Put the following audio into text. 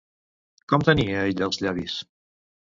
Com tenia ella els llavis?